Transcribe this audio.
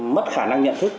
mất khả năng nhận thức